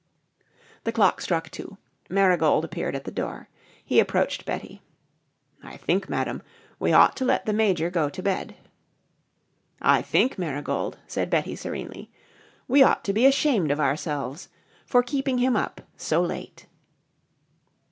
The clock struck two. Marigold appeared at the door. He approached Betty. "I think, Madam, we ought to let the Major go to bed." "I think, Marigold," said Betty serenely, "we ought to be ashamed of ourselves for keeping him up so late."